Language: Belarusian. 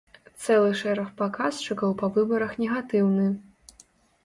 Цэлы шэраг паказчыкаў па выбарах негатыўны.